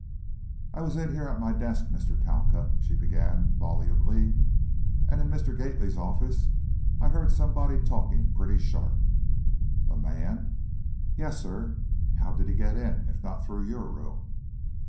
"I was in here, at my desk, Mr. Talcott," she began, volubly; "and in Mr. Gately's office, I heard somebody talking pretty sharp " "A man?" "Yes, sir." "How did he get in, if not through your room?"